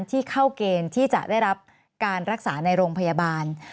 ที่เข้าเกณฑ์ที่จะได้รับการรักษาในโรงพยาบาล